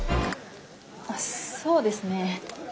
あっそうですね